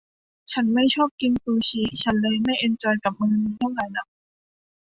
ฉันไม่ชอบกินซูชิ ฉันเลยไม่เอนจอยกับมื้อนี้เท่าไหร่หนัก